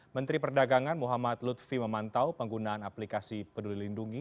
menteri perdagangan muhammad lutfi memantau penggunaan aplikasi peduli lindungi